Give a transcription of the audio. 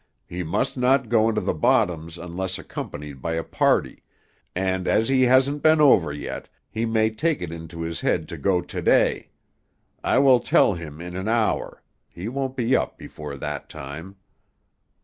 "He must not go into the bottoms unless accompanied by a party, and as he hasn't been over yet, he may take it into his head to go to day. I will tell him in an hour; he won't be up before that time."